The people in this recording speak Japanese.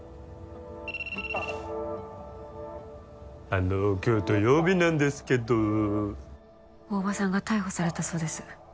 あの今日土曜日なんですけど大庭さんが逮捕されたそうです